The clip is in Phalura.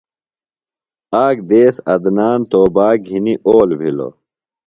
آک دیس عدنان توباک گِھنی اول بِھلوۡ۔